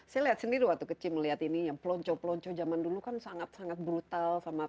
saya lihat sendiri waktu kecil melihat ini yang pelonco pelonco zaman dulu kan sangat sangat brutal